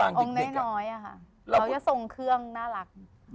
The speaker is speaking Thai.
มาทำไว้หลงน้อยน้อยอะคะเขาก็ส่งเครื่องน่ารัก